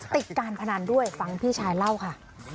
ติดการพนันด้วยฟังพี่ชายเล่าค่ะ